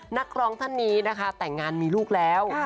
นักร้องท่านนี้นะคะแต่งงานมีลูกแล้ว